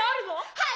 はい！